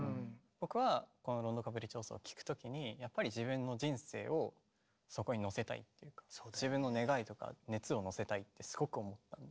僕はこの「ロンド・カプリチオーソ」を聴くときにやっぱり自分の人生をそこにのせたいっていうか自分の願いとか熱をのせたいってすごく思ったんで。